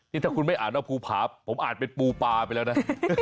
นี่ถ้าคุณไม่อ่านว่าภูผาผมอ่านเป็นปูปลาไปแล้วนะ